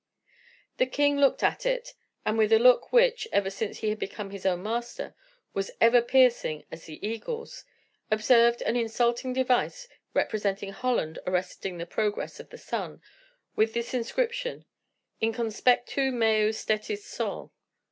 The king looked at it, and with a look which, ever since he had become his own master, was ever piercing as the eagle's, observed an insulting device representing Holland arresting the progress of the sun, with this inscription: "In conspectu meo stetit sol."